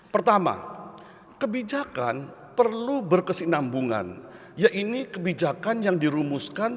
pertama kebijakan perlu berkesinambungan yaitu kebijakan yang dirumuskan